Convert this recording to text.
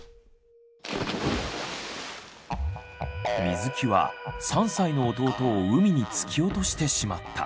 水木は３歳の弟を海に突き落としてしまった。